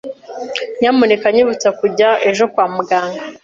Nyamuneka nyibutsa kujya ejo kwa muganga.